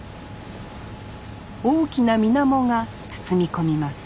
大きな水面が包み込みます